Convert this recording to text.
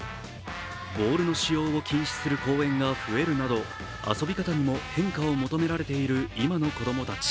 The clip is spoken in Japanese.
ボールの使用を禁止する公園が増えるなど遊び方にも変化を求められている今の子供たち。